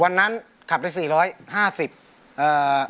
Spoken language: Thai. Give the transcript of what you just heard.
วันนั้นขับตั้งแต่๔๐๐บาท๕๐บาท